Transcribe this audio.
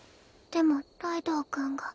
でもライドウ君が。